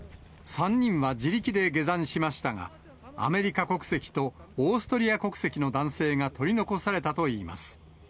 ３人は自力で下山しましたが、アメリカ国籍とオーストリア国籍の男性が取り残されたといいます。